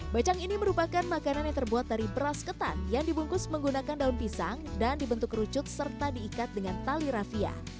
becang ini merupakan makanan yang terbuat dari beras ketan yang dibungkus menggunakan daun pisang dan dibentuk kerucut serta diikat dengan tali rafia